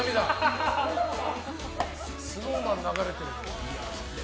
ＳｎｏｗＭａｎ流れてるぞ。